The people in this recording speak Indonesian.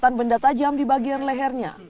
dan benda tajam di bagian lehernya